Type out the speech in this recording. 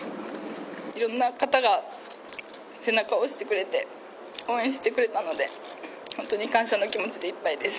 いろんな方が背中を押してくれて応援してくれたので本当に感謝の気持ちでいっぱいです。